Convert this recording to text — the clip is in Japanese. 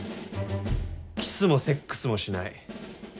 キスもセックスもしない。